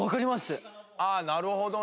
ああなるほどね。